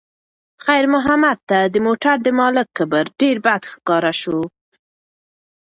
خیر محمد ته د موټر د مالک کبر ډېر بد ښکاره شو.